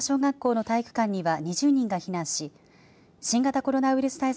柳ヶ浦小学校の体育館には２０人が避難し新型コロナウイルス